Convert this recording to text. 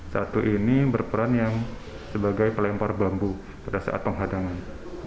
satu ini berperan yang sebagai pelempar bambu pada saat penghadangan